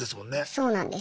そうなんです。